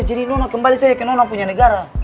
eh jadi kamu kembali saja ke kamu punya negara